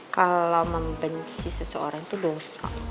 kalo membenci seseorang tuh dosa